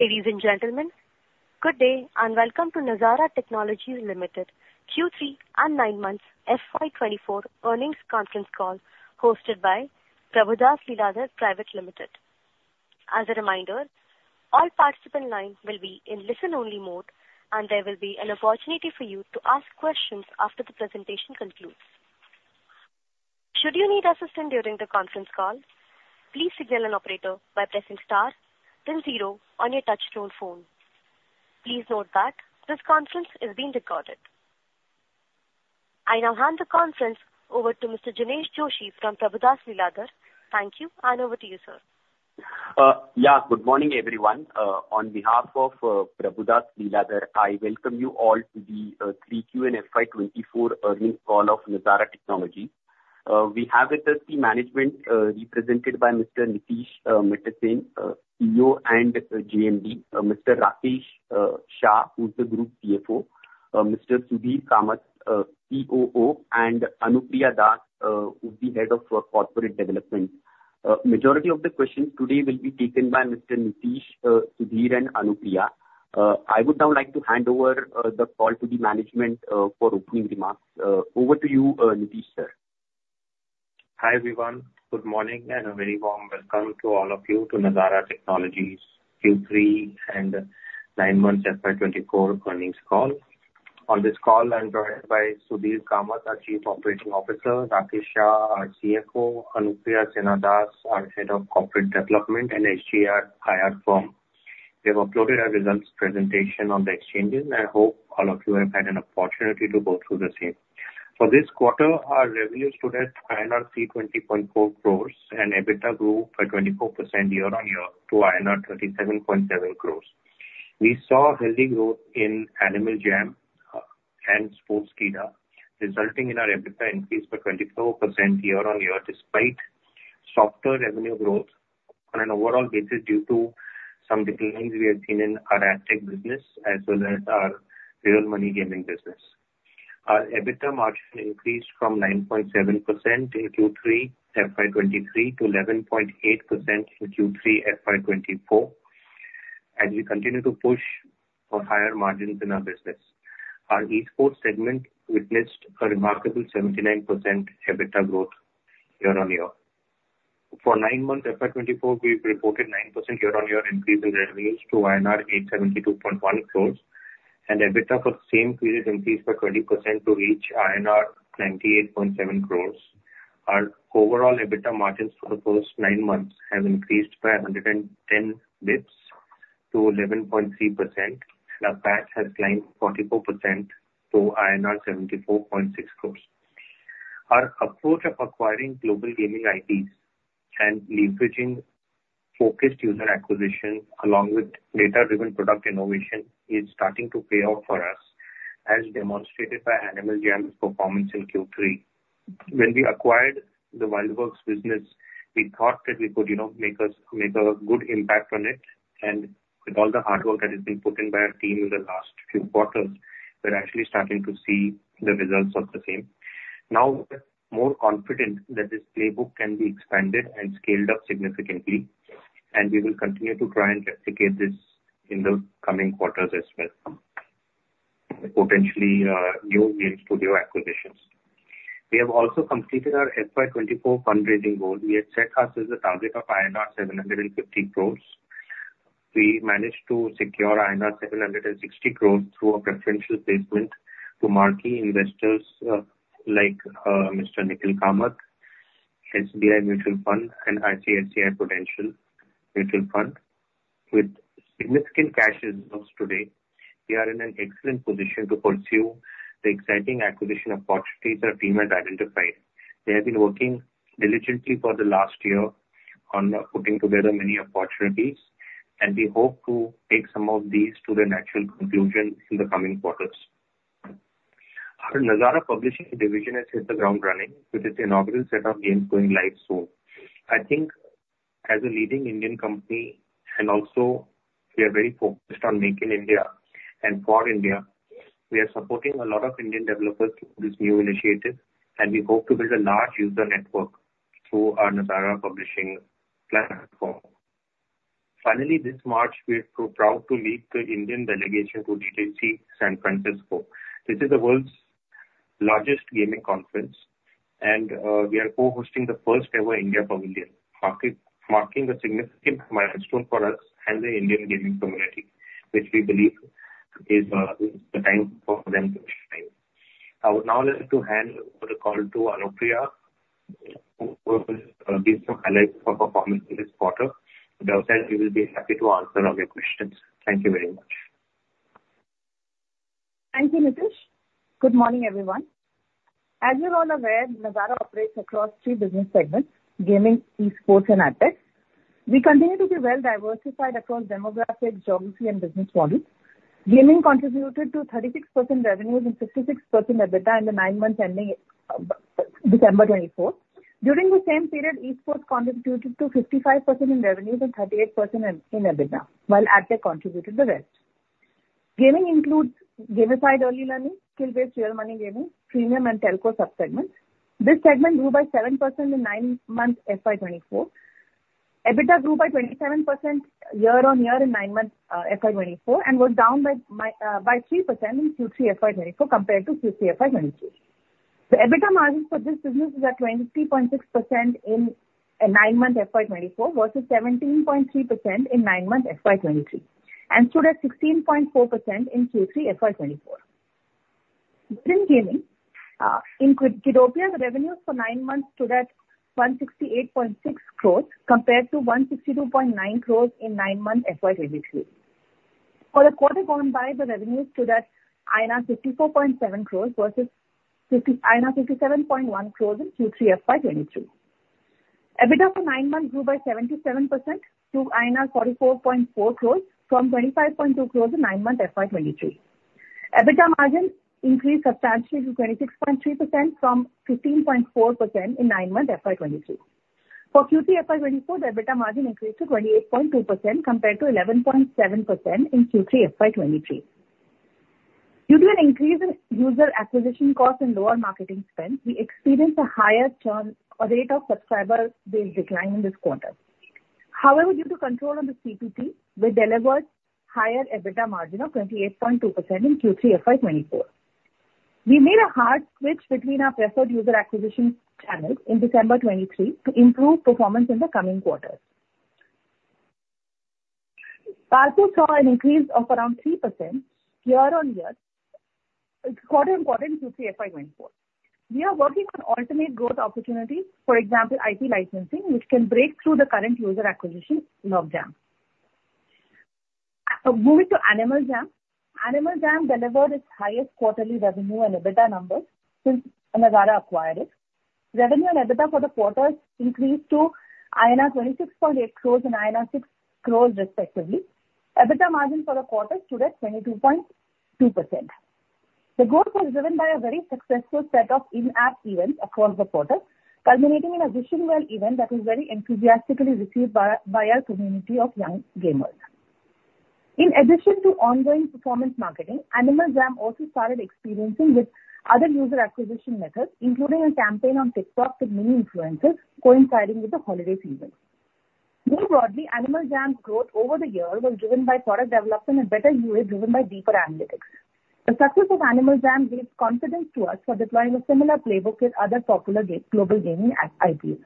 Ladies and gentlemen, good day and Welcome to Nazara Technologies Limited Q3 and 9 months FY 2024 Earnings Conference Call hosted by Prabhudas Lilladher Private Limited. As a reminder, all participants' lines will be in listen-only mode and there will be an opportunity for you to ask questions after the presentation concludes. Should you need assistance during the conference call, please signal an operator by pressing star, then zero on your touch-tone phone. Please note that this conference is being recorded. I now hand the conference over to Mr. Jinesh Joshi from Prabhudas Lilladher. Thank you and over to you, sir. Yeah, good morning everyone. On behalf of Prabhudas Lilladher, I welcome you all to the Q3 and FY 2024 earnings call of Nazara Technologies. We have with us the management represented by Mr. Nitish Mittersain, CEO and JMD, Mr. Rakesh Shah, who's the Group CFO, Mr. Sudhir Kamath, COO, and Anupriya Das, who's the head of corporate development. The majority of the questions today will be taken by Mr. Nitish, Sudhir, and Anupriya. I would now like to hand over the call to the management for opening remarks. Over to you, Nitish, sir. Hi everyone. Good morning and a very warm welcome to all of you to Nazara Technologies Q3 and 9 months FY 2024 earnings call. On this call, I'm joined by Sudhir Kamath, our Chief Operating Officer; Rakesh Shah, our CFO; Anupriya Sinha Das, our head of corporate development. We have uploaded our results presentation on the exchanges and hope all of you have had an opportunity to go through the same. For this quarter, our revenues totaled at 320.4 crores and EBITDA grew by 24% year-on-year to INR 37.7 crores. We saw healthy growth in Animal Jam and Sportskeeda, resulting in our EBITDA increase by 24% year-on-year despite softer revenue growth on an overall basis due to some declines we have seen in our ad tech business as well as our real money gaming business. Our EBITDA margin increased from 9.7% in Q3 FY 2023 to 11.8% in Q3 FY 2024 as we continue to push for higher margins in our business. Our esports segment witnessed a remarkable 79% EBITDA growth year-on-year. For 9 months FY 2024, we've reported 9% year-on-year increase in revenues to INR 872.1 crores and EBITDA for the same period increased by 20% to reach INR 98.7 crores. Our overall EBITDA margins for the first 9 months have increased by 110 basis points to 11.3% and our PAT has climbed 44% to INR 74.6 crores. Our approach of acquiring global gaming IPs and leveraging focused user acquisition along with data-driven product innovation is starting to pay off for us as demonstrated by Animal Jam's performance in Q3. When we acquired the WildWorks business, we thought that we could make a good impact on it and with all the hard work that has been put in by our team in the last few quarters, we're actually starting to see the results of the same. Now we're more confident that this playbook can be expanded and scaled up significantly and we will continue to try and replicate this in the coming quarters as well, potentially new game studio acquisitions. We have also completed our FY 2024 fundraising goal. We had set ourselves a target of 750 crores. We managed to secure 760 crores through a preferential placement to marquee investors like Mr. Nikhil Kamath, SBI Mutual Fund, and ICICI Prudential Mutual Fund. With significant cash reserves today, we are in an excellent position to pursue the exciting acquisition opportunities our team has identified. They have been working diligently for the last year on putting together many opportunities and we hope to take some of these to their natural conclusion in the coming quarters. Our Nazara publishing division has hit the ground running with its inaugural set of games going live soon. I think as a leading Indian company and also we are very focused on making India and for India, we are supporting a lot of Indian developers through this new initiative and we hope to build a large user network through our Nazara publishing platform. Finally, this March, we are proud to lead the Indian delegation to GDC San Francisco. This is the world's largest gaming conference and we are co-hosting the first-ever India Pavilion, marking a significant milestone for us and the Indian gaming community, which we believe is the time for them to shine. I would now like to hand over the call to Anupriya, who will give some highlights of performance in this quarter. As I said, we will be happy to answer all your questions. Thank you very much. Thank you, Nitish. Good morning everyone. As you're all aware, Nazara operates across three business segments: gaming, e-sports, and ad tech. We continue to be well-diversified across demographics, geography, and business models. Gaming contributed to 36% revenues and 56% EBITDA in the 9 months ending December 2024. During the same period, e-sports contributed to 55% in revenues and 38% in EBITDA, while ad tech contributed the rest. Gaming includes gamified early learning, skill-based real money gaming, premium, and telco subsegments. This segment grew by 7% in 9 months FY 2024. EBITDA grew by 27% year on year in 9 months FY 2024 and was down by 3% in Q3 FY 2024 compared to Q3 FY 2023. The EBITDA margins for this business are 23.6% in 9 months FY 2024 versus 17.3% in 9 months FY 2023 and stood at 16.4% in Q3 FY 2024. Within gaming, in Kiddopia, the revenues for 9 months stood at 168.6 crores compared to 162.9 crores in 9 months FY 2023. For the quarter gone by, the revenues stood at 54.7 crores versus 57.1 crores in Q3 FY 2023. EBITDA for 9 months grew by 77% to 44.4 crores from 25.2 crores in 9 months FY 2023. EBITDA margin increased substantially to 26.3% from 15.4% in 9 months FY 2023. For Q3 FY 2024, the EBITDA margin increased to 28.2% compared to 11.7% in Q3 FY 2023. Due to an increase in user acquisition costs and lower marketing spend, we experienced a higher rate of subscriber-based decline in this quarter. However, due to control on the CPT, we delivered a higher EBITDA margin of 28.2% in Q3 FY 2024. We made a hard switch between our preferred user acquisition channels in December 2023 to improve performance in the coming quarters. Telco saw an increase of around 3% year-on-year quarter-on-quarter in Q3 FY 2024. We are working on alternate growth opportunities, for example, IP licensing, which can break through the current user acquisition lockdown. Moving to Animal Jam, Animal Jam delivered its highest quarterly revenue and EBITDA numbers since Nazara acquired it. Revenue and EBITDA for the quarter increased to INR 26.8 crores and INR 6 crores respectively. EBITDA margin for the quarter stood at 22.2%. The growth was driven by a very successful set of in-app events across the quarter, culminating in a Wishing Well event that was very enthusiastically received by our community of young gamers. In addition to ongoing performance marketing, Animal Jam also started experimenting with other user acquisition methods, including a campaign on TikTok with many influencers coinciding with the holiday season. More broadly, Animal Jam's growth over the year was driven by product development and better UA driven by deeper analytics. The success of Animal Jam gave confidence to us for deploying a similar playbook with other popular global gaming IPs.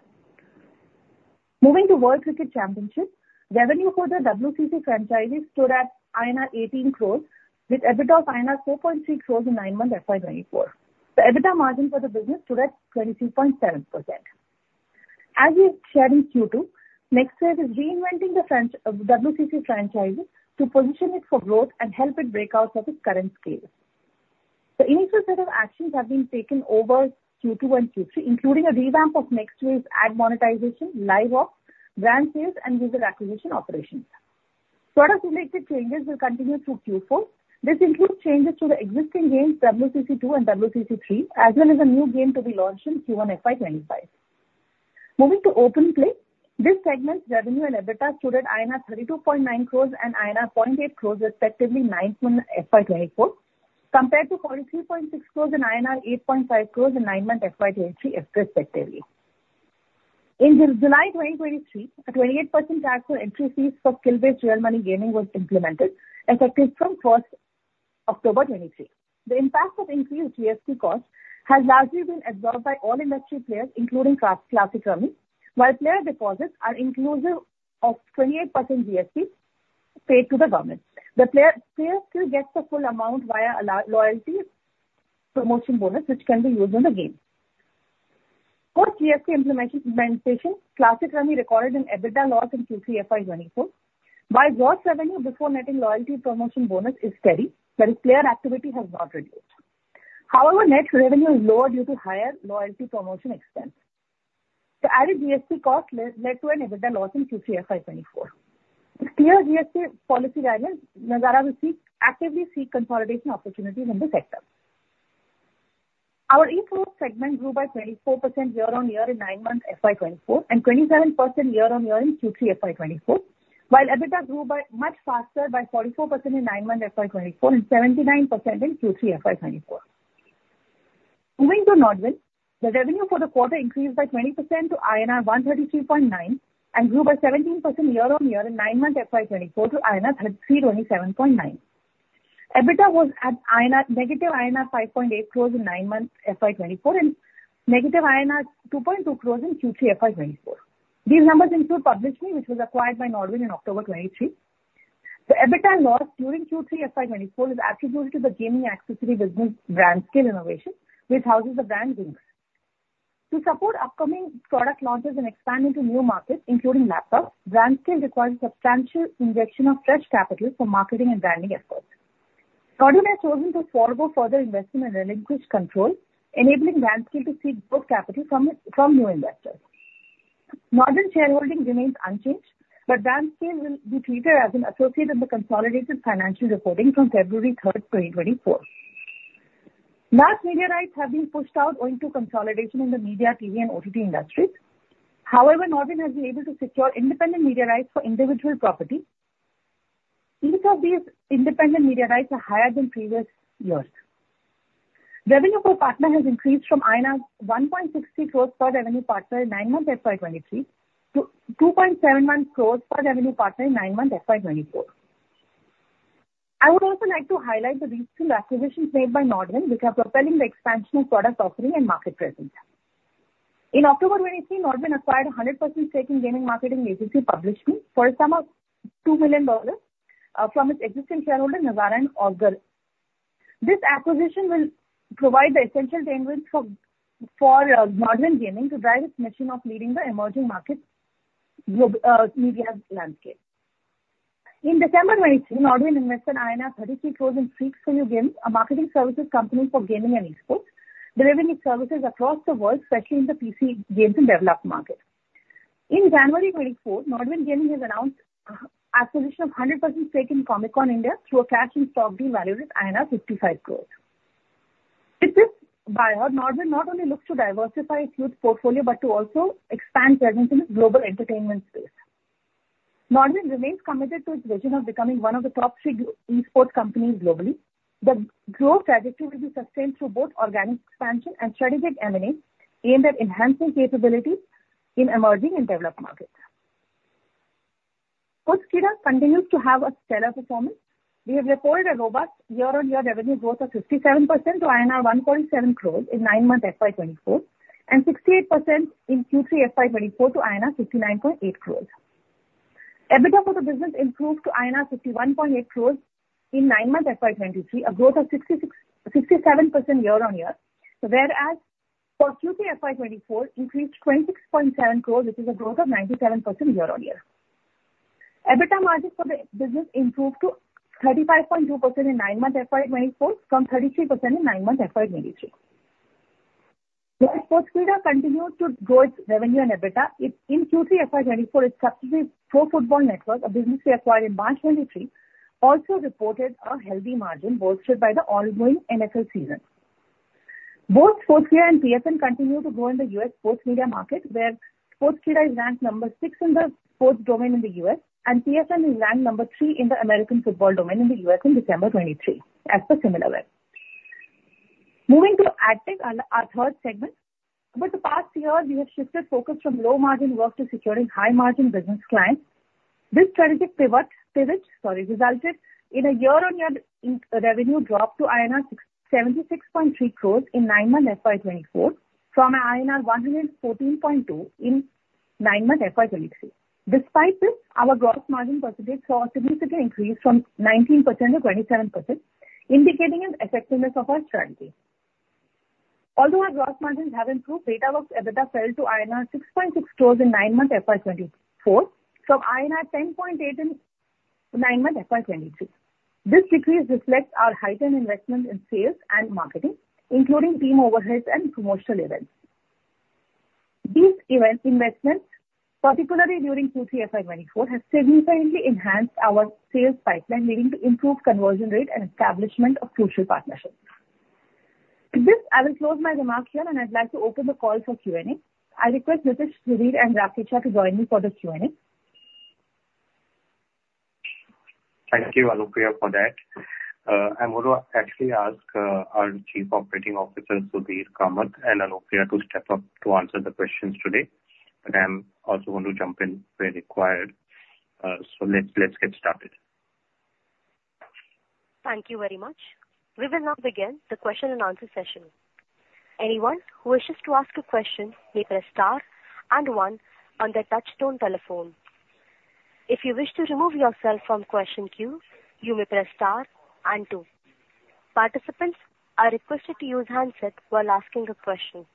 Moving to World Cricket Championship, revenue for the WCC franchise stood at 18 crores with EBITDA of 4.3 crores in 9 months FY 2024. The EBITDA margin for the business stood at 22.7%. As we shared in Q2, Nextwave is reinventing the WCC franchise to position it for growth and help it break out of its current scale. The initial set of actions have been taken over Q2 and Q3, including a revamp of Nextwave's ad monetization, live ops, brand sales, and user acquisition operations. Product-related changes will continue through Q4. This includes changes to the existing games, WCC 2 and WCC 3, as well as a new game to be launched in Q1 FY 2025. Moving to OpenPlay, this segment's revenue and EBITDA stood at INR 32.9 crores and INR 0.8 crores respectively, 9 months FY 2024 compared to 43.6 crores and INR 8.5 crores in 9 months FY 2023 respectively. In July 2023, a 28% tax on entry fees for skill-based real money gaming was implemented, effective from 1st October 2023. The impact of increased GST costs has largely been absorbed by all industry players, including Classic Rummy, while player deposits are inclusive of 28% GST paid to the government. The player still gets the full amount via a loyalty promotion bonus, which can be used in the game. Post-GST implementation, Classic Rummy recorded an EBITDA loss in Q3 FY 2024. While gross revenue before netting loyalty promotion bonus is steady, that is, player activity has not reduced. However, net revenue is lower due to higher loyalty promotion expense. The added GST cost led to an EBITDA loss in Q3 FY 2024. Clear GST policy guidance. Nazara actively seeks consolidation opportunities in the sector. Our e-sports segment grew by 24% year-over-year in 9 months FY 2024 and 27% year-over-year in Q3 FY 2024, while EBITDA grew much faster by 44% in 9 months FY 2024 and 79% in Q3 FY 2024. Moving to NODWIN, the revenue for the quarter increased by 20% to INR 133.9 and grew by 17% year-over-year in 9 months FY 2024 to INR 327.9. EBITDA was at negative INR 5.8 crores in 9 months FY 2024 and negative INR 2.2 crores in Q3 FY 2024. These numbers include PublishMe, which was acquired by NODWIN in October 2023. The EBITDA loss during Q3 FY 2024 is attributed to the gaming accessory business BrandScale Innovations, which houses the Wings brand. To support upcoming product launches and expand into new markets, including laptops, BrandScale requires a substantial injection of fresh capital for marketing and branding efforts. NODWIN has chosen to forgo further investment and relinquish control, enabling BrandScale to seek growth capital from new investors. NODWIN shareholding remains unchanged, but BrandScale will be treated as an associate in the consolidated financial reporting from February 3rd, 2024. Mass media rights have been pushed out owing to consolidation in the media, TV, and OTT industries. However, NODWIN has been able to secure independent media rights for individual property. Each of these independent media rights are higher than previous years. Revenue per partner has increased from 1.63 crores per revenue partner in 9 months FY 2023 to 2.71 crores per revenue partner in 9 months FY 2024. I would also like to highlight the recent acquisitions made by NODWIN, which are propelling the expansion of product offering and market presence. In October 2023, NODWIN acquired 100% stake in gaming marketing agency PublishMe for a sum of $2 million from its existing shareholder, Nazara and Ozgur. This acquisition will provide the essential tailwinds for NODWIN Gaming to drive its mission of leading the emerging market media landscape. In December 2023, NODWIN invested 33 crores in Freaks 4U Gaming, a marketing services company for gaming and e-sports, delivering its services across the world, especially in the PC games and developed market. In January 2024, NODWIN Gaming has announced acquisition of 100% stake in Comic Con India through a cash and stock deal valued at INR 55 crores. With this buyout, NODWIN not only looks to diversify its youth portfolio but to also expand presence in its global entertainment space. NODWIN remains committed to its vision of becoming one of the top three esports companies globally. The growth trajectory will be sustained through both organic expansion and strategic M&A aimed at enhancing capabilities in emerging and developed markets. Kiddopia continues to have a stellar performance. We have reported a robust year-on-year revenue growth of 57% to INR 147 crores in 9 months FY 2024 and 68% in Q3 FY 2024 to INR 59.8 crores. EBITDA for the business improved to INR 51.8 crores in 9 months FY 2023, a growth of 67% year-on-year, whereas for Q3 FY 2024, it increased to 26.7 crores, which is a growth of 97% year-on-year. EBITDA margins for the business improved to 35.2% in 9 months FY 2024 from 33% in 9 months FY 2023. While Sportskeeda continued to grow its revenue and EBITDA, in Q3 FY 2024, its subsidiary Pro Football Network, a business we acquired in March 2023, also reported a healthy margin bolstered by the ongoing NFL season. Both Sportskeeda and PFN continue to grow in the U.S. sports media market, where Sportskeeda is ranked number six in the sports domain in the U.S. and PFN is ranked number three in the American football domain in the U.S. in December 2023 as per Similarweb. Moving to ad tech, our third segment. Over the past year, we have shifted focus from low-margin work to securing high-margin business clients. This strategic pivot resulted in a year-on-year revenue drop to INR 76.3 crores in 9 months FY 2024 from INR 114.2 in 9 months FY 2023. Despite this, our gross margin percentage saw a significant increase from 19%-27%, indicating the effectiveness of our strategy. Although our gross margins have improved, Datawrkz EBITDA fell to INR 6.6 crores in 9 months FY 2024 from INR 10.8 in 9 months FY 2023. This decrease reflects our heightened investment in sales and marketing, including team overheads and promotional events. These investments, particularly during Q3 FY 2024, have significantly enhanced our sales pipeline, leading to improved conversion rate and establishment of crucial partnerships. With this, I will close my remark here, and I'd like to open the call for Q&A. I request Nitish, Sudhir, and Rakesh to join me for the Q&A. Thank you, Anupriya, for that. I'm going to actually ask our Chief Operating Officer, Sudhir Kamath, and Anupriya to step up to answer the questions today, but I'm also going to jump in where required. Let's get started. Thank you very much. We will now begin the question-and-answer session. Anyone who wishes to ask a question may press star and one on their touch-tone telephone. If you wish to remove yourself from the question queue, you may press star and two. Participants are requested to use handset while asking a question.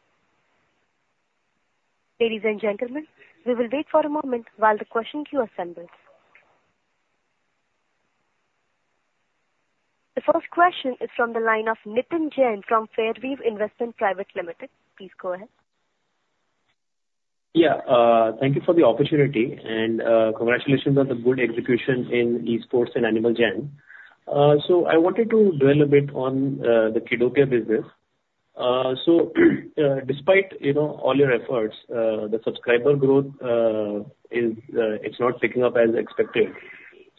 Ladies and gentlemen, we will wait for a moment while the question queue assembles. The first question is from the line of Nitin Jain from Fairtree Capital. Please go ahead. Yeah. Thank you for the opportunity, and congratulations on the good execution in esports and Animal Jam. So I wanted to dwell a bit on the Kiddopia business. So despite all your efforts, the subscriber growth, it's not picking up as expected.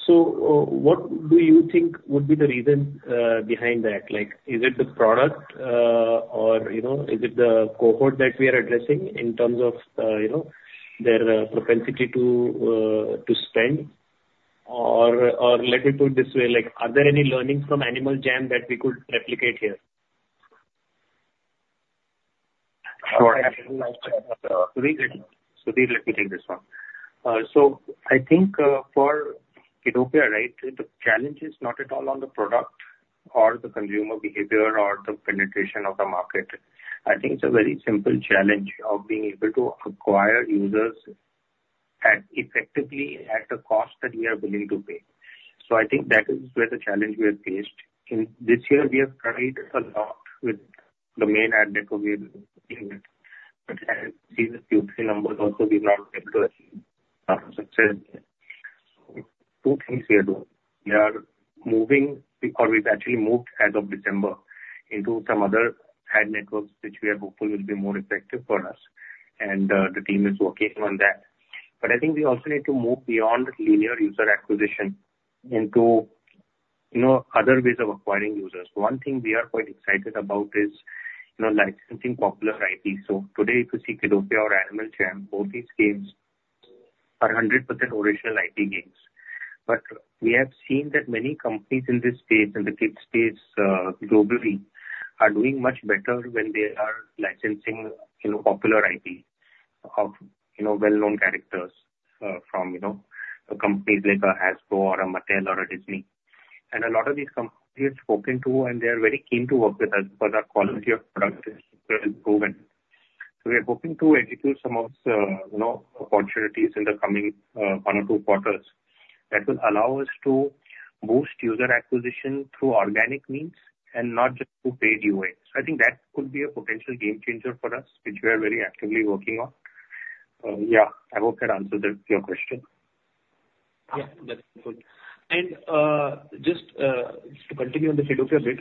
So what do you think would be the reason behind that? Is it the product, or is it the cohort that we are addressing in terms of their propensity to spend? Or let me put it this way: are there any learnings from Animal Jam that we could replicate here? Sure. Sudhir, let me take this one. So I think for Kiddopia, the challenge is not at all on the product or the consumer behavior or the penetration of the market. I think it's a very simple challenge of being able to acquire users effectively at the cost that we are willing to pay. So I think that is where the challenge we have faced. This year, we have tried a lot with the main ad tech we're dealing with. But seeing the Q3 numbers also, we've not been able to achieve success. Two things we are doing. We are moving or we've actually moved as of December into some other ad networks, which we are hopeful will be more effective for us. And the team is working on that. But I think we also need to move beyond linear user acquisition into other ways of acquiring users. One thing we are quite excited about is licensing popular IP. So today, if you see Kiddopia or Animal Jam, both these games are 100% original IP games. But we have seen that many companies in this space, in the kids' space globally, are doing much better when they are licensing popular IP of well-known characters from companies like a Hasbro or a Mattel or a Disney. And a lot of these companies we have spoken to, and they are very keen to work with us because our quality of product is well proven. So we are hoping to execute some of these opportunities in the coming one or two quarters that will allow us to boost user acquisition through organic means and not just through paid UA. So I think that could be a potential game changer for us, which we are very actively working on. Yeah. I hope that answers your question. Yeah. That's good. Just to continue on the Kiddopia bit,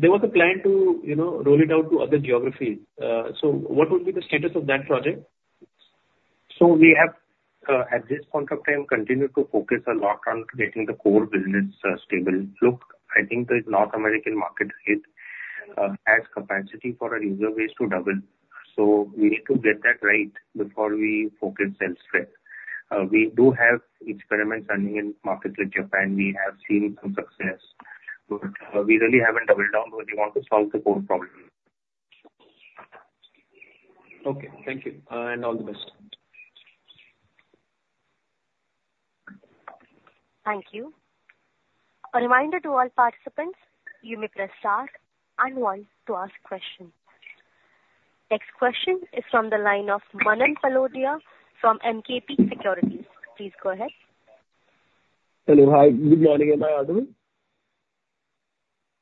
there was a plan to roll it out to other geographies. What would be the status of that project? We have, at this point of time, continued to focus a lot on getting the core business stable. Look, I think the North American market has capacity for a user base to double. We need to get that right before we focus sales spread. We do have experiments running in markets like Japan. We have seen some success. But we really haven't doubled down when we want to solve the core problem. Okay. Thank you. And all the best. Thank you. A reminder to all participants: you may press star and one to ask questions. Next question is from the line of Manan Poladia from MKP Securities. Please go ahead. Hello. Hi. Good morning. Am I audible?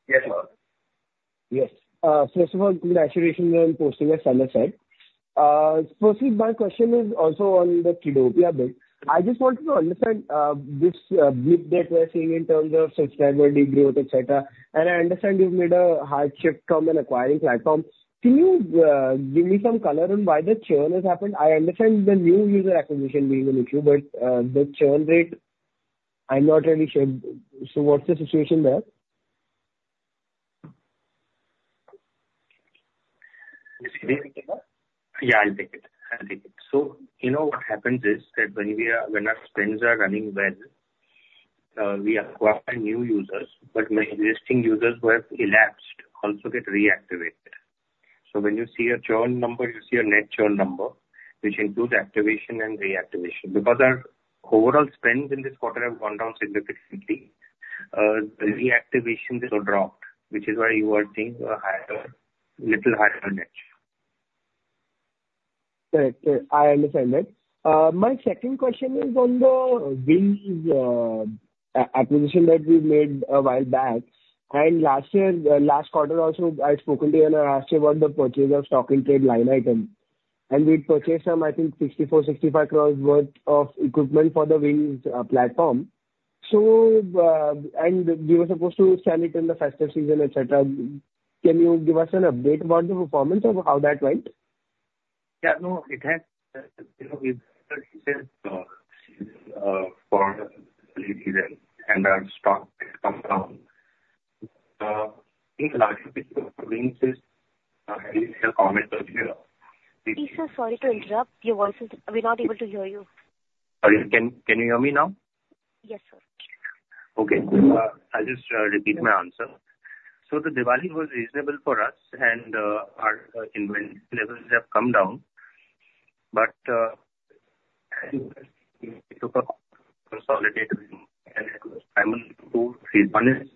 Yes, Ma'am. Yes. First of all, good execution on postponing as Anna said. Firstly, my question is also on the Kiddopia bit. I just wanted to understand this blip that we're seeing in terms of subscriber degrowth, etc. And I understand you've made a hard shift from an acquiring platform. Can you give me some color on why the churn has happened? I understand the new user acquisition being an issue, but the churn rate, I'm not really sure. So what's the situation there? Yeah. I'll take it. I'll take it. So what happens is that when our spends are running well, we acquire new users, but when existing users who have elapsed also get reactivated. So when you see a churn number, you see a net churn number, which includes activation and reactivation. Because our overall spends in this quarter have gone down significantly, the reactivation also dropped, which is why you were seeing a little higher net. Correct. I understand that. My second question is on the Wings acquisition that we made a while back. Last quarter, also, I had spoken to Anna last year about the purchase of stock-in-trade line items. We'd purchased some, I think, 64 crores-65 crores' worth of equipment for the Wings platform. We were supposed to sell it in the festive season, etc. Can you give us an update about the performance or how that went? Yeah. No. It has for a little season, and our stock has come down. I think the larger picture of the Wings is, I didn't hear comment earlier. Isa, sorry to interrupt. We're not able to hear you. Sorry. Can you hear me now? Yes, sir. Okay. I'll just repeat my answer. So the Diwali was reasonable for us, and our inventory levels have come down. But it took a consolidated Wings. And I'm going to say one is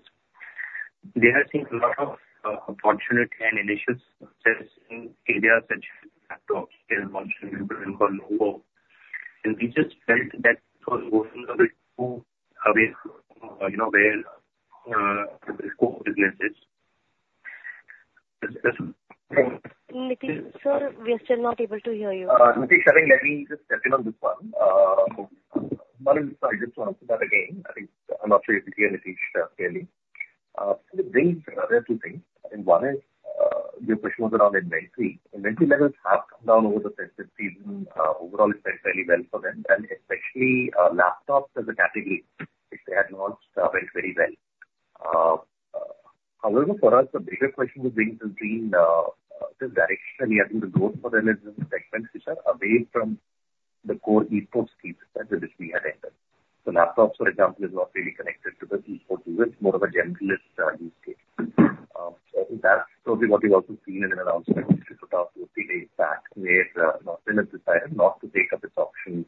they have seen a lot of opportunity and initial success in areas such as laptops, laptops, and what we call audio. And we just felt that it was going a bit too away from where the core business is. Nitish, sir, we are still not able to hear you. Nitish, Sudhir, let me just step in on this one. Manan, I just want to say that again. I'm not sure if you heard Nitish clearly. The Wings are two things. I think one is your question was around inventory. Inventory levels have come down over the festive season. Overall, it's been fairly well for them, and especially laptops as a category, which they had launched, went very well. However, for us, the bigger question was being seen just directionally. I think the growth for them is in the segments which are away from the core esports piece that we had entered. So laptops, for example, is not really connected to the esports users. It's more of a generalist use case. I think that's probably what we've also seen in an announcement just about 2 or 3 days back where Nodwin has decided not to take up its option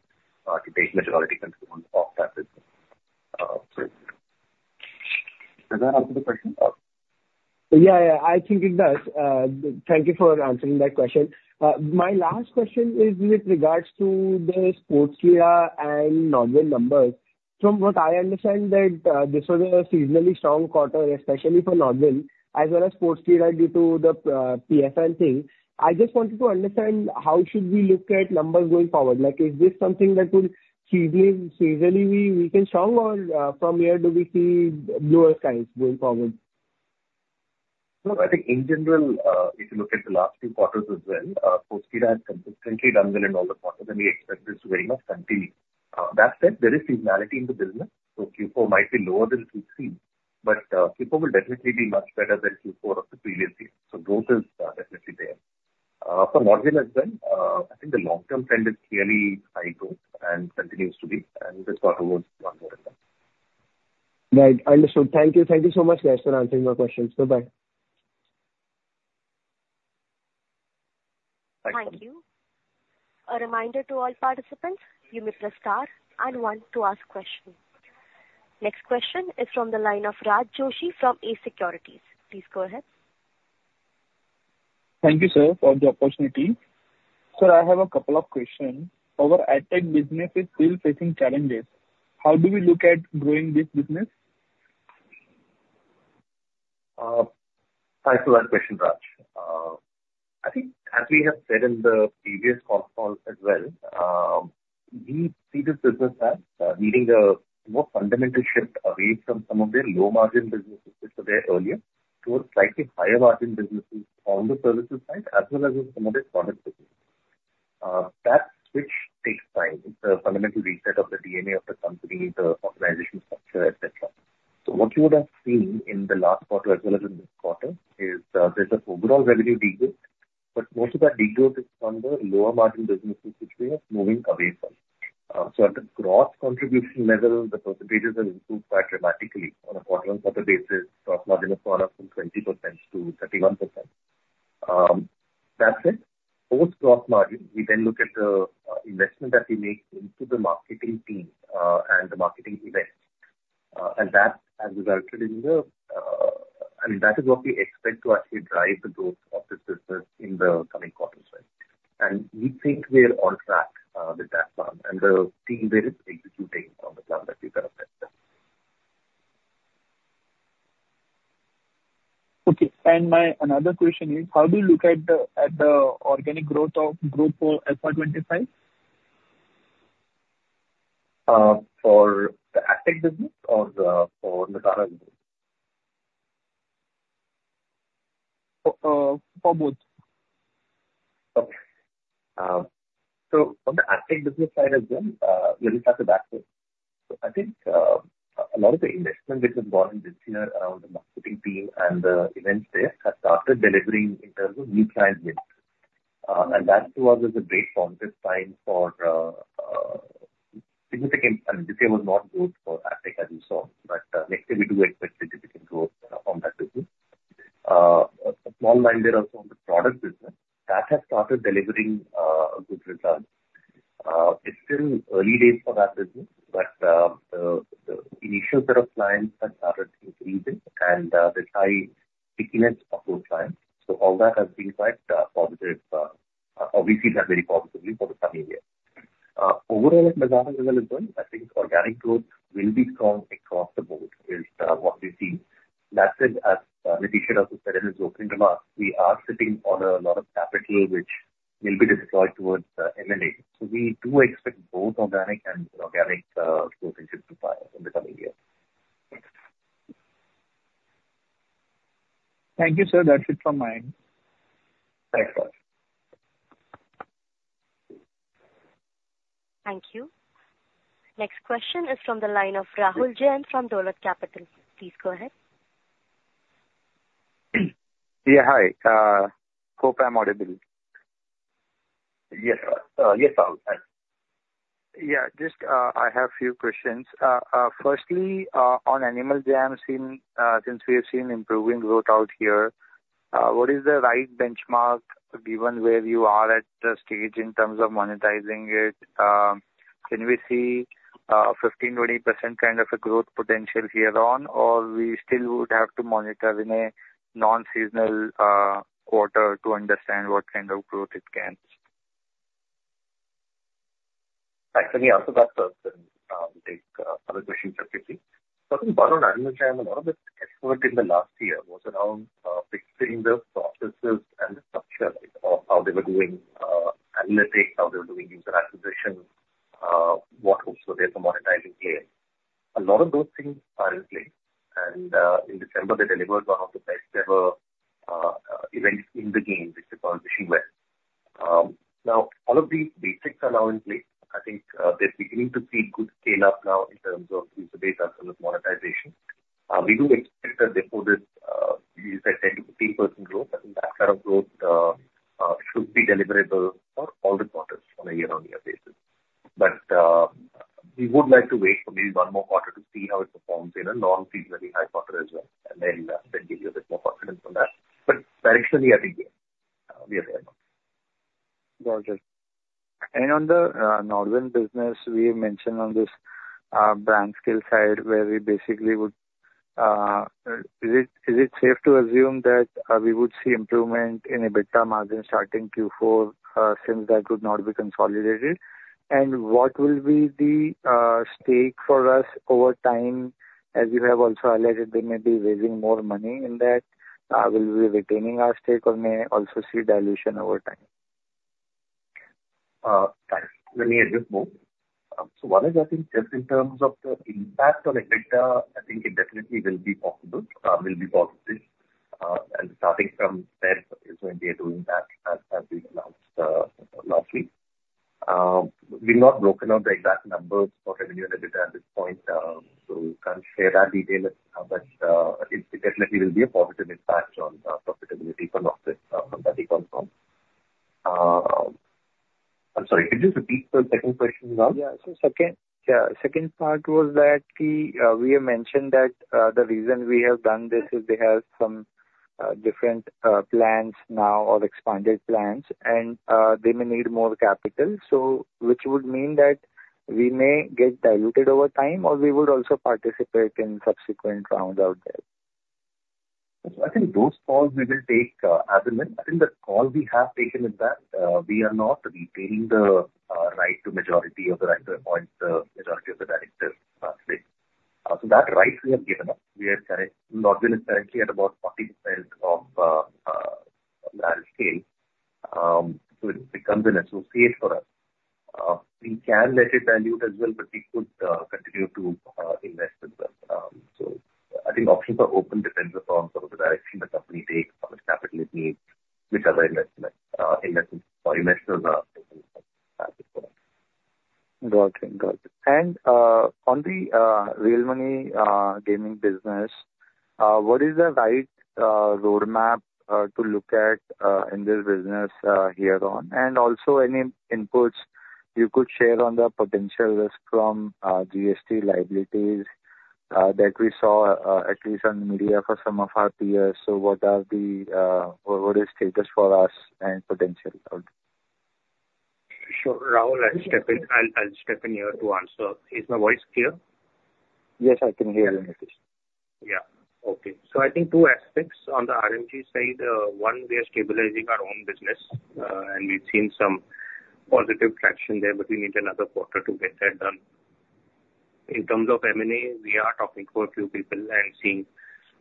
to take majority control of that business. Does that answer the question? Yeah. Yeah. I think it does. Thank you for answering that question. My last question is with regards to the Sportskeeda and Nodwin numbers. From what I understand, this was a seasonally strong quarter, especially for Nodwin, as well as Sportskeeda due to the PFN thing. I just wanted to understand how should we look at numbers going forward? Is this something that would seasonally be weak and strong, or from here, do we see bluer skies going forward? I think, in general, if you look at the last two quarters as well, Sportskeeda has consistently done well in all the quarters, and we expect this to very much continue. That said, there is seasonality in the business. Q4 might be lower than we've seen, but Q4 will definitely be much better than Q4 of the previous year. Growth is definitely there. For NODWIN as well, I think the long-term trend is clearly high growth and continues to be, and this quarter was one more of them. Right. Understood. Thank you. Thank you so much, guys, for answering my questions. Bye-bye. Thanks. Thank you. A reminder to all participants: you may press star and one to ask questions. Next question is from the line of Raj Joshi from Ace Securities. Please go ahead. Thank you, sir, for the opportunity. Sir, I have a couple of questions. Our ad tech business is still facing challenges. How do we look at growing this business? Thanks for that question, Raj. I think, as we have said in the previous call as well, we see this business as leading a more fundamental shift away from some of their low-margin businesses which were there earlier towards slightly higher-margin businesses on the services side as well as in some of their product businesses. That switch takes time. It's a fundamental reset of the DNA of the company, the organization structure, etc. So what you would have seen in the last quarter as well as in this quarter is there's an overall revenue degrowth, but most of that degrowth is from the lower-margin businesses which we are moving away from. So at the gross contribution level, the percentages have improved quite dramatically on a quarter-on-quarter basis, gross margin has gone up from 20%-31%. That said, post-gross margin, we then look at the investment that we make into the marketing team and the marketing events. And that has resulted in the, I mean, that is what we expect to actually drive the growth of this business in the coming quarters, right? And we think we're on track with that plan, and the team there is executing on the plan that we've elected. Okay. Another question is: how do you look at the organic growth of Group for FY 2025? For the Ad Tech business or for Nazara? For both. Okay. So on the ad tech business side as well, we'll just have to back this. So I think a lot of the investment which has gone in this year around the marketing team and the events there has started delivering in terms of new client wins. And that to us is a great positive sign for significant I mean, this year was not good for ad tech, as you saw, but next year, we do expect significant growth on that business. A small reminder also on the product business: that has started delivering good results. It's still early days for that business, but the initial set of clients has started increasing, and there's high stickiness of those clients. So all that has been quite positive. Obviously, it's not very positive for the coming year. Overall, at Nazara as well, I think organic growth will be strong across the board is what we've seen. That said, as Nitish also said in his opening remarks, we are sitting on a lot of capital which will be deployed towards M&A. So we do expect both organic and inorganic growth engines to fire in the coming year. Thank you, sir. That's it from my end. Thanks, Raj. Thank you. Next question is from the line of Rahul Jain from Dolat Capital. Please go ahead. Yeah. Hi. hope I'm Audible. Yes. Yes, Paul. Yeah. Just I have a few questions. Firstly, on Animal Jam, since we have seen improving growth out here, what is the right benchmark given where you are at the stage in terms of monetizing it? Can we see 15%-20% kind of a growth potential here on, or we still would have to monitor in a non-seasonal quarter to understand what kind of growth it can? Right. So yeah. So that's first, and we'll take other questions subsequently. So I think, while on Animal Jam, a lot of the effort in the last year was around fixing the processes and the structure of how they were doing analytics, how they were doing user acquisition, what hopes were there for monetizing players. A lot of those things are in place. And in December, they delivered one of the best-ever events in the game, which is called Wishing Well Now, all of these basics are now in place. I think they're beginning to see good scale-up now in terms of user base outcome of monetization. We do expect that before this, you said 10%-15% growth. I think that kind of growth should be deliverable for all the quarters on a year-on-year basis. We would like to wait for maybe one more quarter to see how it performs in a non-seasonally high quarter as well, and then give you a bit more confidence on that. Directionally, I think we are there now. Got it. And on the NODWIN business, we have mentioned on this BrandScale side where we basically would—is it safe to assume that we would see improvement in an EBITDA margin starting Q4 since that could not be consolidated? And what will be the stake for us over time? As you have also highlighted, they may be raising more money in that. Will we be retaining our stake, or may I also see dilution over time? Thanks. Let me add just one more. So one is, I think, just in terms of the impact on EBITDA, I think it definitely will be positive. It will be positive. And starting from Q2, it's going to be doing that as we announced last week. We've not broken out the exact numbers for revenue and EBITDA at this point, so can't share that detail. But it definitely will be a positive impact on profitability from that economy. I'm sorry. Could you repeat the second question, Ma'am? Yeah. So second part was that we have mentioned that the reason we have done this is they have some different plans now or expanded plans, and they may need more capital, which would mean that we may get diluted over time, or we would also participate in subsequent rounds out there. So I think those calls we will take as a minute. I think the call we have taken is that we are not retaining the right to majority or the right to appoint the majority of the directors last week. So that right, we have given up. NODWIN is currently at about 40% of the stake. So it becomes an associate for us. We can let it dilute as well, but we could continue to invest as well. So I think options are open. It depends upon sort of the direction the company takes, how much capital it needs, which other investments investors are taking for that. Got it. Got it. And on the real money gaming business, what is the right roadmap to look at in this business here on? And also, any inputs you could share on the potential risk from GST liabilities that we saw, at least on the media, for some of our peers? So what is the status for us and potential out there? Sure. Rahul, I'll step in. I'll step in here to answer. Is my voice clear? Yes, I can hear you, Nitish. Yeah. Okay. So I think two aspects on the RMG side. One, we are stabilizing our own business, and we've seen some positive traction there, but we need another quarter to get that done. In terms of M&A, we are talking to a few people and seeing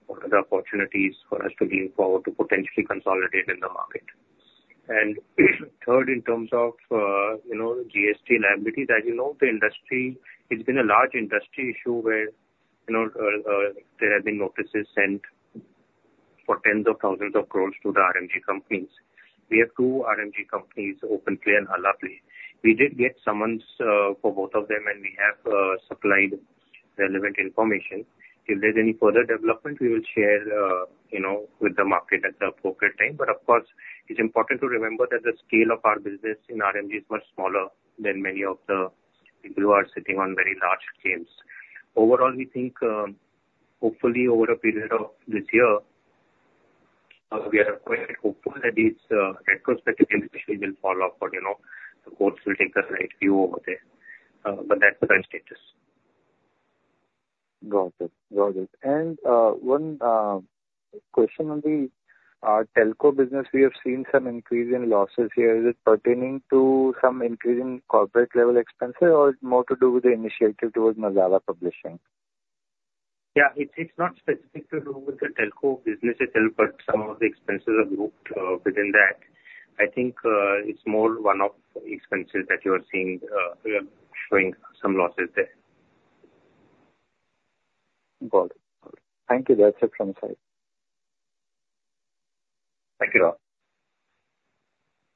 what are the opportunities for us to look forward to potentially consolidate in the market. And third, in terms of GST liabilities, as you know, the industry, it's been a large industry issue where there have been notices sent for INR tens of thousands of crores to the RMG companies. We have two RMG companies, OpenPlay and Halaplay. We did get summons for both of them, and we have supplied relevant information. If there's any further development, we will share with the market at the appropriate time. But of course, it's important to remember that the scale of our business in RMG is much smaller than many of the people who are sitting on very large games. Overall, we think, hopefully, over a period of this year, we are quite hopeful that this retrospective investigation will follow up, or the courts will take a right view over there. But that's the current status. Got it. Got it. One question on the telco business: we have seen some increase in losses here. Is it pertaining to some increase in corporate-level expenses, or it's more to do with the initiative towards Nazara Publishing? Yeah. It's not specific to the telco business itself, but some of the expenses are grouped within that. I think it's more one of the expenses that you are seeing showing some losses there. Got it. Got it. Thank you. That's it from my side. Thank you, Rahul.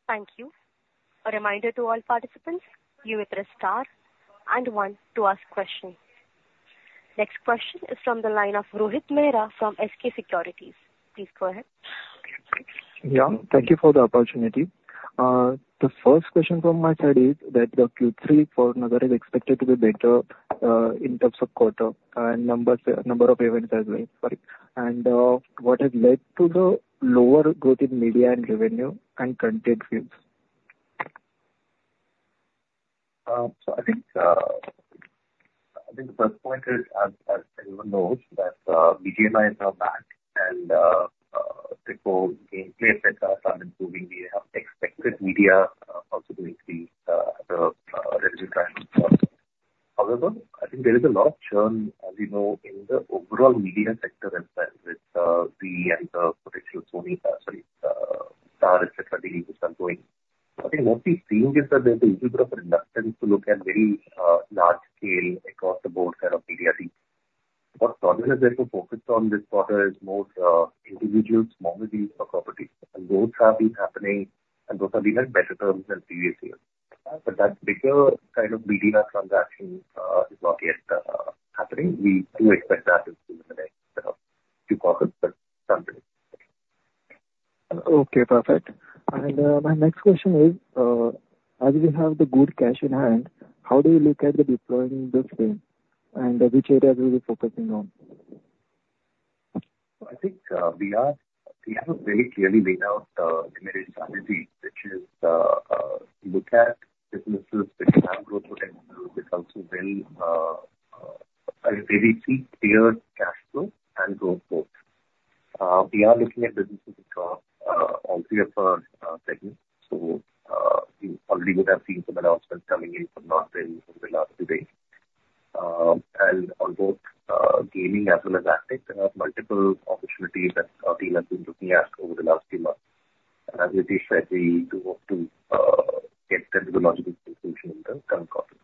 Thank you. A reminder to all participants: you may press star and one to ask questions. Next question is from the line of Rohit Mehra from SK Securities. Please go ahead. Yeah. Thank you for the opportunity. The first question from my side is that the Q3 for Nazara is expected to be better in terms of quarter and number of events as well. Sorry. And what has led to the lower growth in media and revenue and content views? So I think the first point is, as everyone knows, that BGMI is now back, and Telco Gameplay, etc., have started improving. We have expected media also to increase at the revenue track as well. However, I think there is a lot of churn, as you know, in the overall media sector as well with the and the potential Sony sorry, Star, etc., dealings which are going. So I think what we've seen is that there's a little bit of a reluctance to look at very large-scale across the board kind of media deals. What NODWIN has therefore focused on this quarter is more individuals, small monies for properties. And both have been happening, and both have been at better terms than previous years. But that bigger kind of BDR transaction is not yet happening. We do expect that in the next two quarters but something. Okay. Perfect. And my next question is: as we have the good cash in hand, how do you look at deploying this cash, and which areas will you be focusing on? So I think we have a very clearly laid out M&A strategy, which is to look at businesses which have growth potential which also will where we see clear cash flow and growth both. We are looking at businesses across all three of our segments. So you already would have seen some announcements coming in from NODWIN over the last few days. And on both gaming as well as ad tech, there are multiple opportunities that our team has been looking at over the last few months. And as Nitish said, we do hope to get them to the logical conclusion in the coming quarters.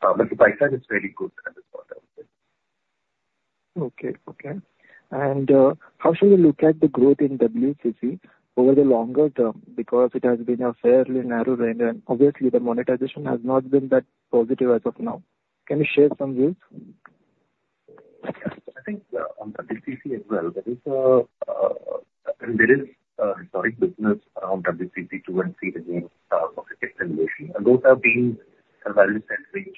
But the pipeline is very good at this point, I would say. Okay. Okay. How should we look at the growth in WCC over the longer term because it has been a fairly narrow range? Obviously, the monetization has not been that positive as of now. Can you share some views? I think on WCC as well, I mean, there is a historic business around WCC2 and WCC3, the game market continuation. Both have been kind of value-centric.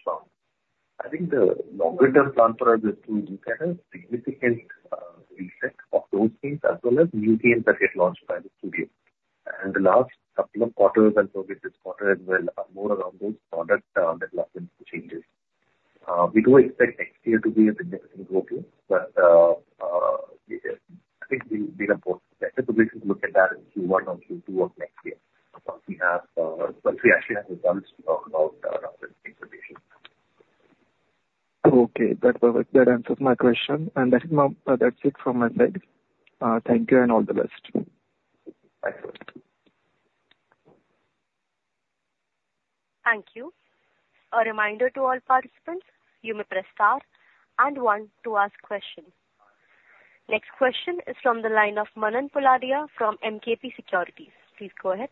I think the longer-term plan for us is to do kind of a significant reset of those games as well as new games that get launched by the studio. The last couple of quarters and probably this quarter as well are more around those product development changes. We do expect next year to be a significant growth game, but I think we'll be able to better position to look at that in Q1 or Q2 of next year once we actually have results about our expectations. Okay. That's perfect. That answers my question. And that's it from my side. Thank you, and all the best. Thanks, Rohit. Thank you. A reminder to all participants: you may press star and one to ask questions. Next question is from the line of Manan Poladia from MKP Securities. Please go ahead.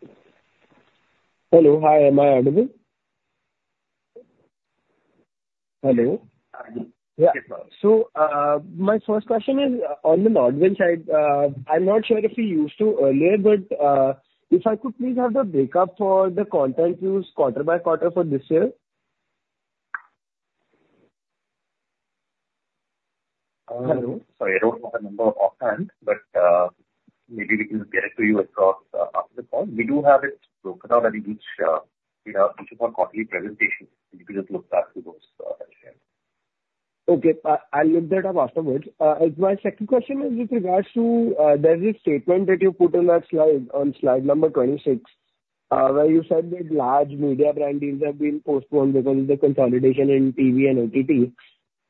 Hello. Hi. Am I audible? Hello. Yes, Paul. Yeah. So my first question is on the NODWIN side. I'm not sure if we used to earlier, but if I could please have the breakup for the content views quarter by quarter for this year. Hello. Sorry, I don't have a number offhand, but maybe we can get it to you after the call. We do have it broken out in each of our quarterly presentations. You can just look back through those as well. Okay. I'll look that up afterwards. My second question is with regards to there is a statement that you put on that slide on Slide number 26 where you said that large media brand deals have been postponed because of the consolidation in TV and OTT.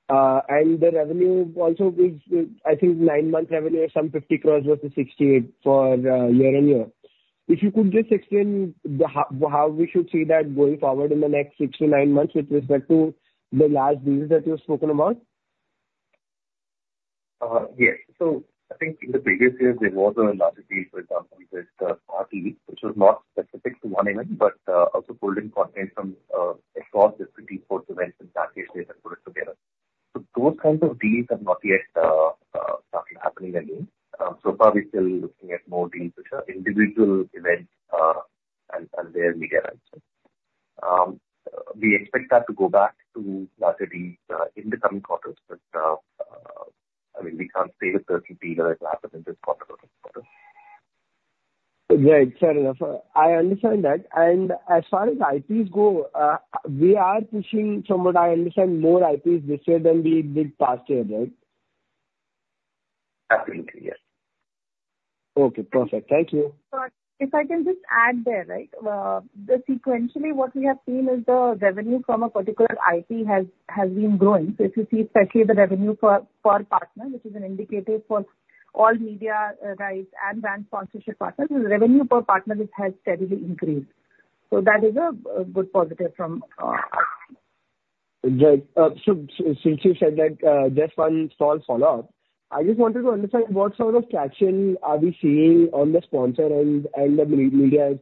And the revenue also is, I think, 9-month revenue, some 50 crores versus 68 for year-on-year. If you could just explain how we should see that going forward in the next six to nine months with respect to the last deals that you've spoken about. Yes. So I think in the previous years, there was a larger deal, for example, with RTE, which was not specific to one event but also pulled in content from across different TV sports events and packaged it and put it together. So those kinds of deals have not yet started happening again. So far, we're still looking at more deals which are individual events and their media rights. We expect that to go back to larger deals in the coming quarters, but I mean, we can't say with certainty whether it will happen in this quarter or next quarter. Yeah. It's fair enough. I understand that. And as far as IPs go, we are pushing, from what I understand, more IPs this year than we did past year, right? Absolutely. Yes. Okay. Perfect. Thank you. So if I can just add there, right, that sequentially, what we have seen is the revenue from a particular IP has been growing. So if you see especially the revenue per partner, which is an indicator for all media rights and brand sponsorship partners, the revenue per partner has steadily increased. So that is a good positive from our side. Yeah. So since you said that, just one small follow-up. I just wanted to understand what sort of traction are we seeing on the sponsor and the media?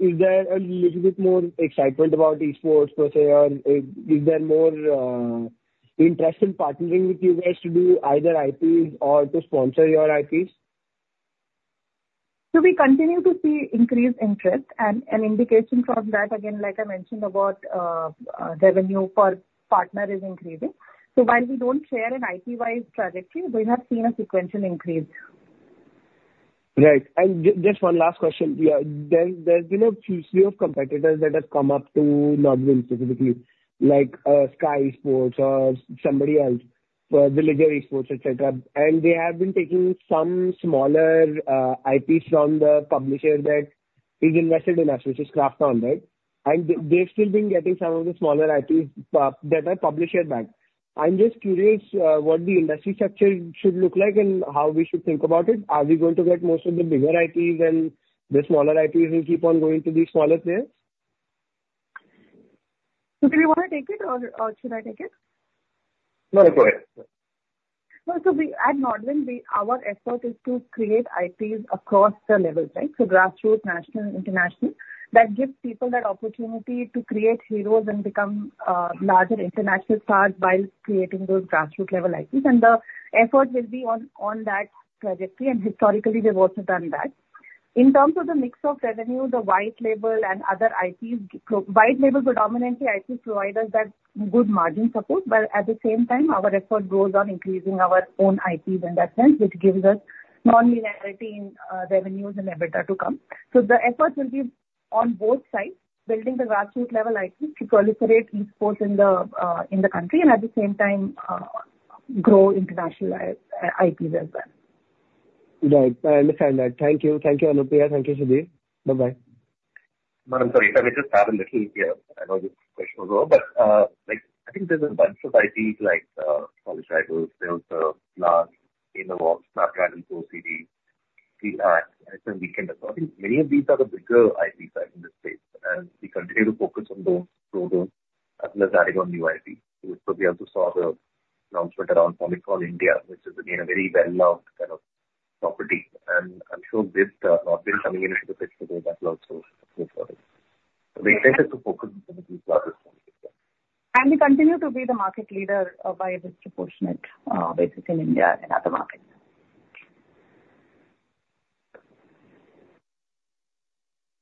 Is there a little bit more excitement about eSports, per se, or is there more interest in partnering with you guys to do either IPs or to sponsor your IPs? We continue to see increased interest. An indication from that, again, like I mentioned, about revenue per partner is increasing. While we don't share an IP-wise trajectory, we have seen a sequential increase. Right. And just one last question. There's been a few competitors that have come up to NODWIN specifically, like Skyesports or somebody else, the Villager Esports, etc. And they have been taking some smaller IPs from the publisher that is invested in us, which is KRAFTON, right? And they've still been getting some of the smaller IPs that are publisher-backed. I'm just curious what the industry structure should look like and how we should think about it. Are we going to get most of the bigger IPs, and the smaller IPs will keep on going to these smaller players? So do you want to take it, or should I take it? No, no. Go ahead. Well, so at NODWIN, our effort is to create IPs across the levels, right? So grassroots, national, international. That gives people that opportunity to create heroes and become larger international stars while creating those grassroots-level IPs. And the effort will be on that trajectory. And historically, we've also done that. In terms of the mix of revenue, the white label and other IPs white label predominantly IPs provide us that good margin support. But at the same time, our effort goes on increasing our own IPs in that sense, which gives us non-linearity in revenues in EBITDA to come. So the effort will be on both sides, building the grassroots-level IPs to proliferate esports in the country and at the same time grow international IPs as well. Right. I understand that. Thank you. Thank you, Anupriya. Thank you, Sudhir. Bye-bye. Ma'am, sorry if I may just add a little here. I know this question was over, but I think there's a bunch of IPs like College Rivals, there's Glass, in the works, Snapdragon Pro Series, Steel Axe, and NH7 Weekender. I think many of these are the bigger IPs in this space. We continue to focus on those growths as well as adding on new IPs. We also saw the announcement around Comic Con India, which is, again, a very well-loved kind of property. I'm sure with NODWIN coming into the picture there, that will also grow for them. We expected to focus on some of these larger stories as well. We continue to be the market leader by a disproportionate basis in India and other markets.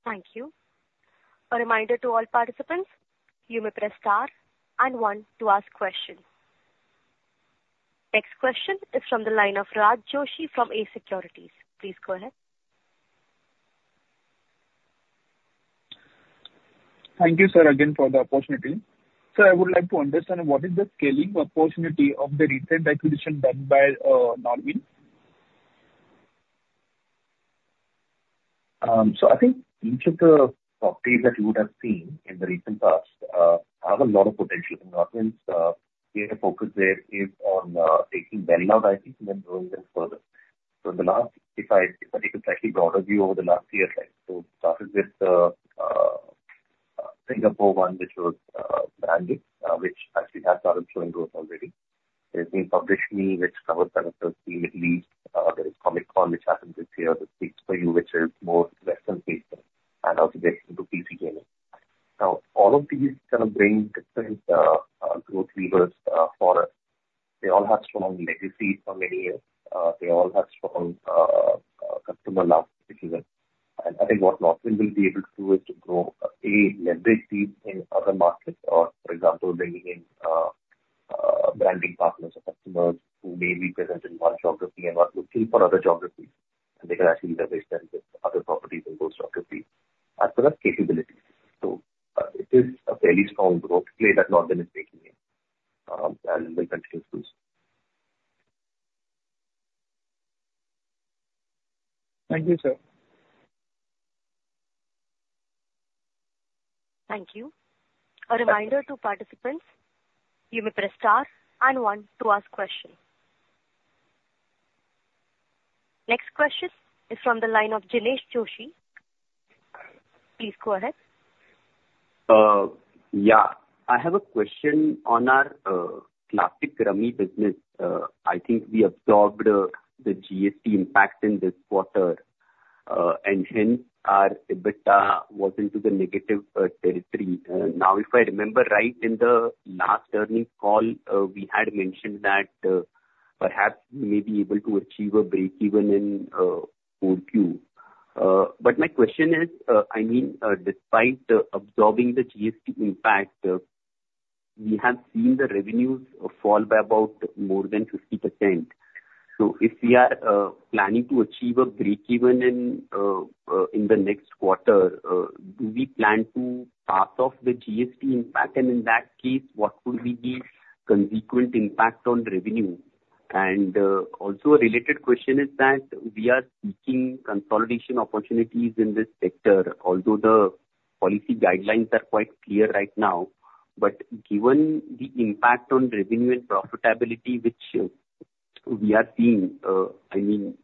Thank you. A reminder to all participants: you may press star and one to ask questions. Next question is from the line of Raj Joshi from Ace Securities. Please go ahead. Thank you, sir, again, for the opportunity. Sir, I would like to understand what is the scaling opportunity of the recent acquisition done by NODWIN? So I think each of the properties that you would have seen in the recent past have a lot of potential. In NODWIN, their focus there is on taking well-loved IPs and then growing them further. So if I take a slightly broader view over the last year, right, so starting with the Singapore one which was Branded, which actually has started showing growth already. There's been PublishMe which covers characters from the Middle East. There is Comic Con which happened this year, the Freaks 4U which is more Western-facing and also gets into PC gaming. Now, all of these kind of bring different growth levers for us. They all have strong legacy for many years. They all have strong customer love if you will. And I think what NODWIN will be able to do is to grow, leverage these in other markets or, for example, bringing in branding partners or customers who may be present in one geography and are looking for other geographies. And they can actually leverage them with other properties in those geographies as well as capabilities. So it is a fairly strong growth play that NODWIN is making here and will continue to do so. Thank you, sir. Thank you. A reminder to participants: you may press star and one to ask questions. Next question is from the line of Jinesh Joshi. Please go ahead. Yeah. I have a question. On our Classic Rummy business, I think we absorbed the GST impact in this quarter, and hence, our EBITDA wasn't in the negative territory. Now, if I remember right, in the last earnings call, we had mentioned that perhaps we may be able to achieve a break-even in 4Q. But my question is, I mean, despite absorbing the GST impact, we have seen the revenues fall by about more than 50%. So if we are planning to achieve a break-even in the next quarter, do we plan to pass on the GST impact? And in that case, what would be the consequent impact on revenue? And also a related question is that we are seeking consolidation opportunities in this sector, although the policy guidelines are quite clear right now. Given the impact on revenue and profitability which we are seeing, I mean,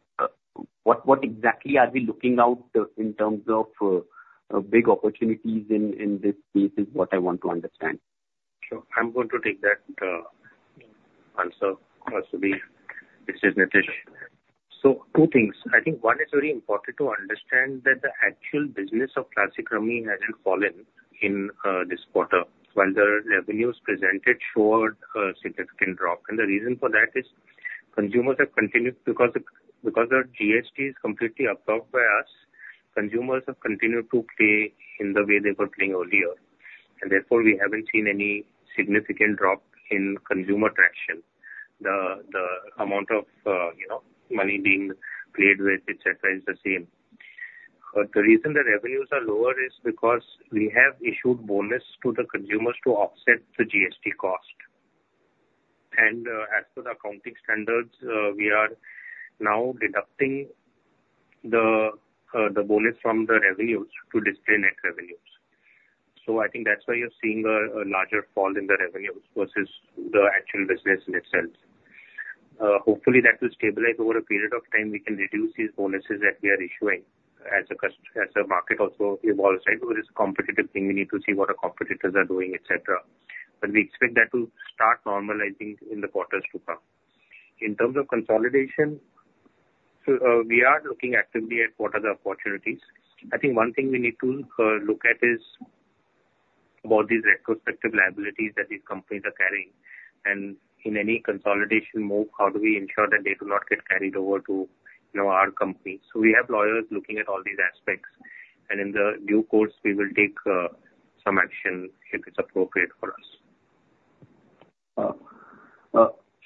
what exactly are we looking out in terms of big opportunities in this space is what I want to understand? Sure. I'm going to take that answer, Sudhir. This is Nitish. So two things. I think one is very important to understand that the actual business of Classic Rummy hasn't fallen in this quarter while the revenues presented showed a significant drop. And the reason for that is consumers have continued because our GST is completely absorbed by us, consumers have continued to play in the way they were playing earlier. And therefore, we haven't seen any significant drop in consumer traction. The amount of money being played with, etc., is the same. The reason the revenues are lower is because we have issued bonus to the consumers to offset the GST cost. And as per the accounting standards, we are now deducting the bonus from the revenues to display net revenues. I think that's why you're seeing a larger fall in the revenues versus the actual business in itself. Hopefully, that will stabilize over a period of time. We can reduce these bonuses that we are issuing as a market also evolves, right? Because it's a competitive thing. We need to see what our competitors are doing, etc. But we expect that to start normalizing in the quarters to come. In terms of consolidation, we are looking actively at what are the opportunities. I think one thing we need to look at is about these retrospective liabilities that these companies are carrying. In any consolidation move, how do we ensure that they do not get carried over to our company? We have lawyers looking at all these aspects. In due course, we will take some action if it's appropriate for us.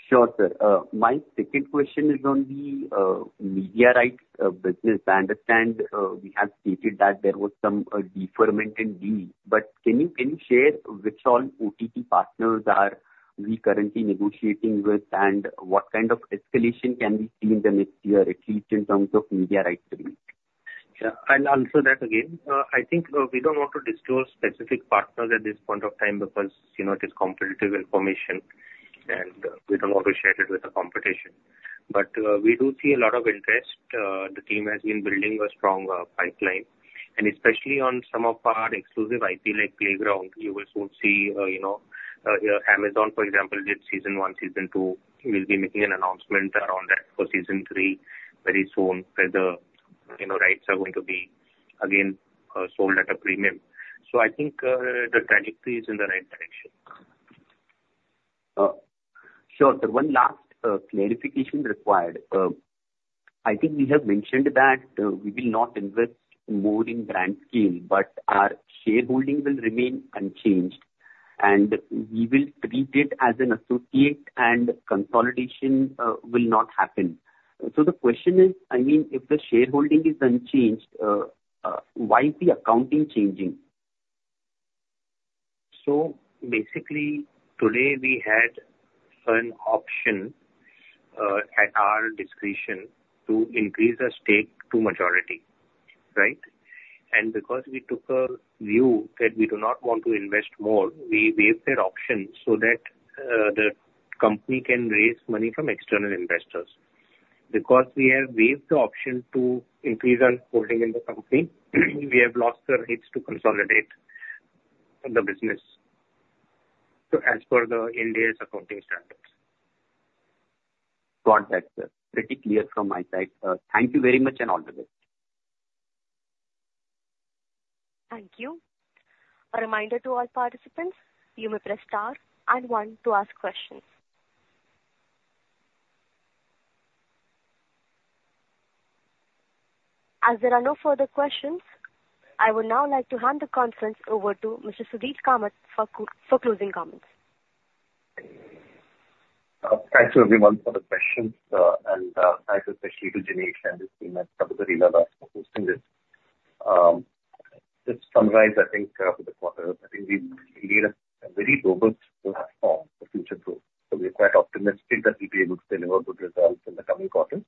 Sure, sir. My second question is on the media rights business. I understand we have stated that there was some deferment in deals. But can you share which all OTT partners are we currently negotiating with, and what kind of escalation can be seen the next year, at least in terms of media rights to be? Yeah. I'll answer that again. I think we don't want to disclose specific partners at this point of time because it is competitive information, and we don't want to share it with the competition. But we do see a lot of interest. The team has been building a strong pipeline. And especially on some of our exclusive IP like Playground, you will soon see Amazon, for example, did season 1, season 2. We'll be making an announcement around that for season 3 very soon where the rights are going to be, again, sold at a premium. So I think the trajectory is in the right direction. Sure, sir. One last clarification required. I think we have mentioned that we will not invest more in BrandScale, but our shareholding will remain unchanged. And we will treat it as an associate, and consolidation will not happen. So the question is, I mean, if the shareholding is unchanged, why is the accounting changing? Basically, today, we had an option at our discretion to increase our stake to majority, right? Because we took a view that we do not want to invest more, we waived that option so that the company can raise money from external investors. Because we have waived the option to increase our holding in the company, we have lost the rights to consolidate the business as per India's accounting standards. Got that, sir. Pretty clear from my side. Thank you very much and all the best. Thank you. A reminder to all participants: you may press star and one to ask questions. As there are no further questions, I would now like to hand the conference over to Mr. Sudhir Kamath for closing comments. Thanks to everyone for the questions. Thanks especially to Jinesh and his team at Prabhudas Lilladher for hosting this. Just to summarize, I think. The quarter. I think we've created a very robust platform for future growth. So we're quite optimistic that we'll be able to deliver good results in the coming quarters.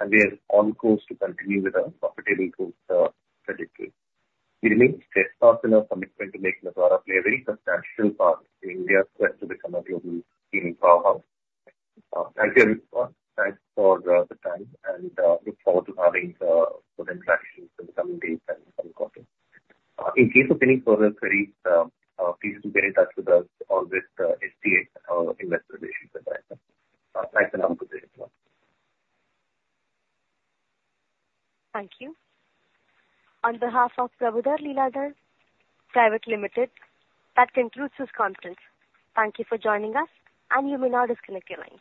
And we are on course to continue with a profitable growth trajectory. We remain steadfast in our commitment to make Nazara play a very substantial part in India's quest to become a global gaming powerhouse. Thank you, everyone. Thanks for the time. And look forward to having further interactions in the coming days and coming quarters. In case of any further queries, please do get in touch with us or with STH, our investor relations advisor. Thanks and all the best as well. Thank you. On behalf of Prabhudas Lilladher Private Limited, that concludes this conference. Thank you for joining us, and you may now disconnect your lines.